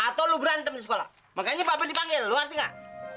atau lo berantem di sekolah makanya pabrik dipanggil lo ngerti gak